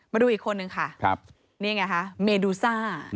มาดูอีกคนนึงค่ะนี่ไงคะเมดูซ่า